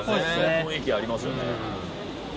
雰囲気ありますよね。